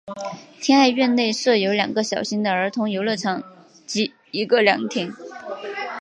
天爱苑内设有两个小型的儿童游乐场及一个凉亭。